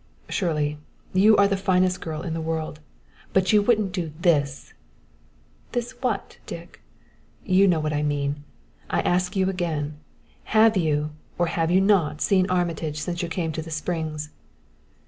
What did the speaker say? "Shirley, you are the finest girl in the world, but you wouldn't do this " "This what, Dick?" "You know what I mean. I ask you again have you or have you not seen Armitage since you came to the Springs?"